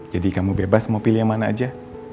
jadi kamu bebas mau pilih yang mana aja